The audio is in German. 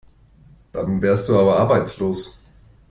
Dann wärst du aber arbeitslos.